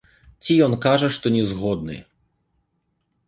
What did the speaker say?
Ці ён кажа, што не згодны.